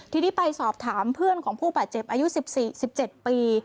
ทีนี้ไปสอบถามเพื่อนของผู้บาดเจ็บอายุ๑๗ปี